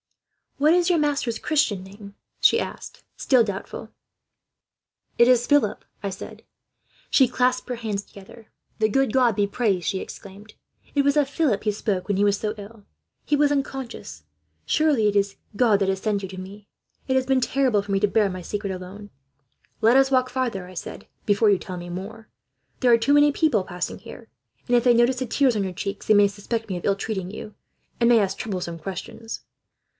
"'What is your master's Christian name?' she asked, still doubtful. "'It is Philip,' I said. "She clasped her hands together. "'The good God be praised!' she exclaimed. 'It was of Philip he spoke, when he was so ill. He was unconscious. Surely it is He that has sent you to me. It has been terrible for me to bear my secret, alone.' "'Let us walk farther,' I said, 'before you tell me more. There are too many people passing here; and if they notice the tears on your cheeks, they may suspect me of ill treating you, and may ask troublesome questions.'